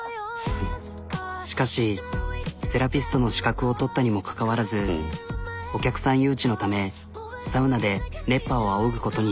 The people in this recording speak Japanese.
しかしセラピストの資格を取ったにもかかわらずお客さん誘致のためサウナで熱波をあおぐことに。